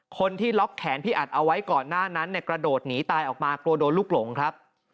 คนที่ล็อกแขนพี่อัดเอาไว้ก่อนหน้านั้นเนี่ยกระโดดหนีตายออกมากลัวโดนลูกหลงครับ